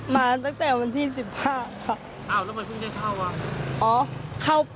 อ๋อมาตั้งแต่วันที่๑๕ค่ะ